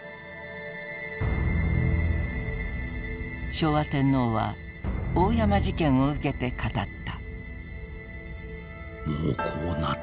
昭和天皇は大山事件を受けて語った。